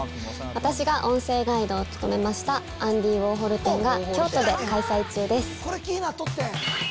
私が音声ガイドを務めました、アンディ・ウォーホル展が、京都で開催中です。